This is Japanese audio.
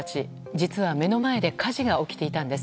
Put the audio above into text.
実は目の前で火事が起きていたんです。